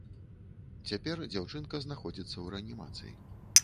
Цяпер дзяўчынка знаходзіцца ў рэанімацыі.